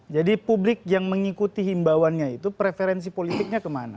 jadi publik yang mengikuti himbawannya itu preferensi politiknya kemana